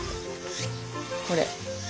これ。